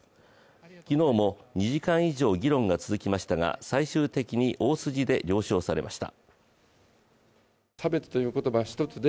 昨日も２時間以上議論が続きましたが最終的に大筋で了承されました。